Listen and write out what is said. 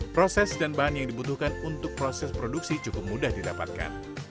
proses dan bahan yang dibutuhkan untuk proses produksi cukup mudah didapatkan